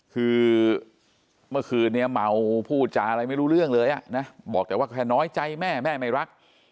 คือเมื่อคืนนี้เมาพูดจาอะไรไม่รู้เรื่องเลยนะบอกแต่ว่าแค่น้อยใจแม่แม่ไม่รัก